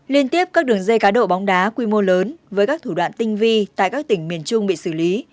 liên tiếp các đường dây cá độ bóng đá quy mô lớn với các thủ đoạn tinh vi tại các tỉnh miền trung bị xử lý